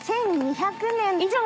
１，２００年以上。